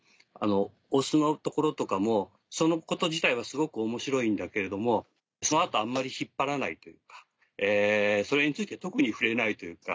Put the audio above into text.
お酢のところとかもそのこと自体はすごく面白いんだけれどもその後あんまり引っ張らないというかそれについて特に触れないというか。